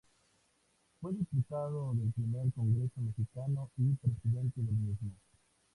Fue diputado del primer Congreso mexicano y presidente del mismo.